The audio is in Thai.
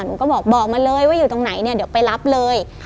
หนูก็บอกมาเลยว่าอยู่ตรงไหนเนี่ยเดี๋ยวไปรับเลย